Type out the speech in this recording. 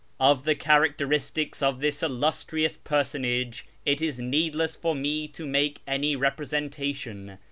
Of the characteristics of this illustrious personage it is needless for me to make any representation.